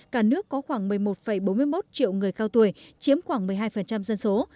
cả nước có khoảng một mươi một bốn mươi một triệu người cao tuổi chiếm khoảng một mươi hai dân số